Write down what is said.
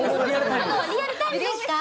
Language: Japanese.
リアルタイムですか？